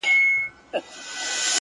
o د زړگي ښار ته مي لړم د لېمو مه راوله ـ